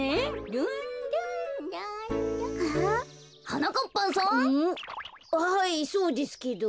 はいそうですけど。